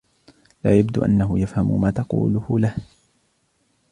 لا يبدو أنه يفهم ما تقوله له.